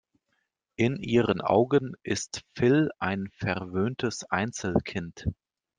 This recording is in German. In ihren Augen ist Phil ein verwöhntes Einzelkind.